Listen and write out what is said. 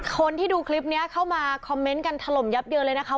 คนที่ดูคลิปนี้เข้ามาคอมเมนต์กันถล่มยับเยอะเลยนะคะ